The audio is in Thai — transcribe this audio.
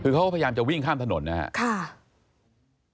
คือเขาก็พยายามจะวิ่งข้ามถนนนะครับ